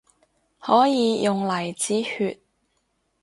可以用嚟止血